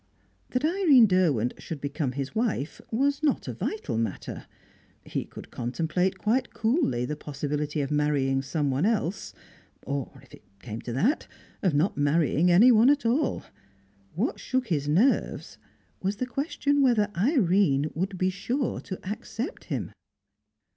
That Irene Derwent should become his wife was not a vital matter; he could contemplate quite coolly the possibility of marrying some one else, or, if it came to that, of not marrying anyone at all. What shook his nerves was the question whether Irene would be sure to accept him.